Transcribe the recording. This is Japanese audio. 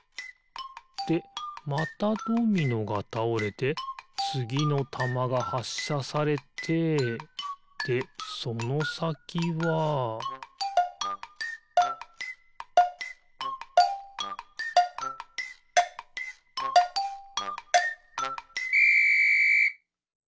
でまたドミノがたおれてつぎのたまがはっしゃされてでそのさきはピッ！